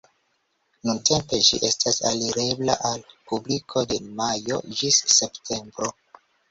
Nuntempe ĝi estas alirebla al publiko de majo ĝis septembro.